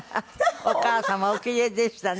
お母様おキレイでしたね。